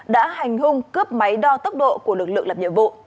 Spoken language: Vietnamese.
đã hành hung cướp máy đo tốc độ của lực lượng làm nhiệm vụ